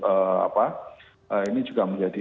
ee apa ini juga menjadi